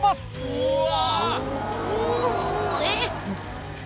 うわ。